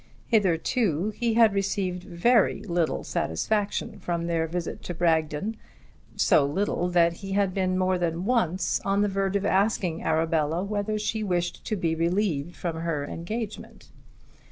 Hitherto he had received very little satisfaction from their visit to Bragton, so little that he had been more than once on the verge of asking Arabella whether she wished to be relieved from her engagement.